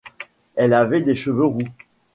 Elle avait les cheveux roux.